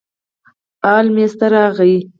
ال میز ته راغی.